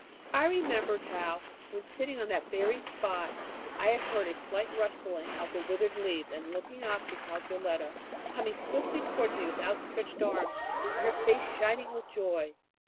I remembered how, when sitting on that very spot, I had heard a slight rustling of the withered leaves, and looking up beheld Yoletta coming swiftly towards me with outstretched arms, and her face shining with joy.